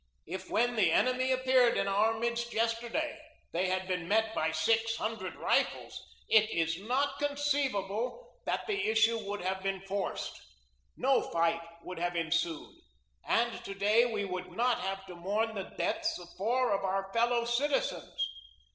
If when the enemy appeared in our midst yesterday they had been met by six hundred rifles, it is not conceivable that the issue would have been forced. No fight would have ensued, and to day we would not have to mourn the deaths of four of our fellow citizens.